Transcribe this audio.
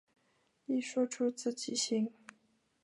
一说出自己姓。